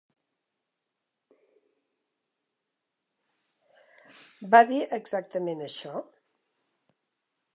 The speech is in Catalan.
Va dir exactament això?